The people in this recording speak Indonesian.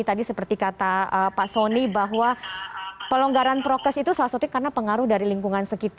tadi seperti kata pak soni bahwa pelonggaran prokes itu salah satunya karena pengaruh dari lingkungan sekitar